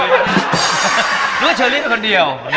นึกว่าเชอรี่เป็นคนเดียว